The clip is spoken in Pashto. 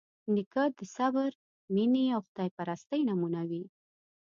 نیکه د صبر، مینې او خدایپرستۍ نمونه وي.